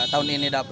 tahun ini dapet